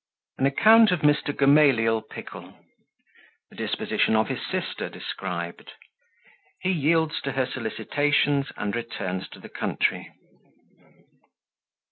An Account of Mr. Gamaliel Pickle The Disposition of his Sister described He yields to her Solicitations, and returns to the Country.